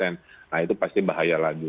nah itu pasti bahaya lagi